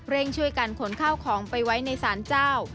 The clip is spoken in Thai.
ช่วยกันขนข้าวของไปไว้ในศาลเจ้า